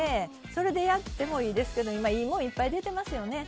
それでやってもいいですけど今いいもんいっぱい出てますよね